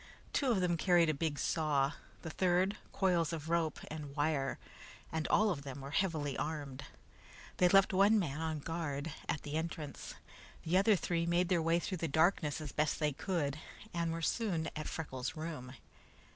Two of them carried a big saw, the third, coils of rope and wire, and all of them were heavily armed. They left one man on guard at the entrance. The other three made their way through the darkness as best they could, and were soon at Freckles' room.